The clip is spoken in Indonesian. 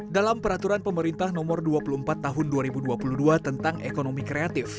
dalam peraturan pemerintah nomor dua puluh empat tahun dua ribu dua puluh dua tentang ekonomi kreatif